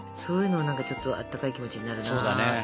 そういうのなんかちょっとあったかい気持ちになるな。